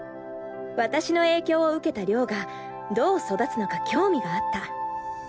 私の影響を受けた亮がどう育つのか興味があった。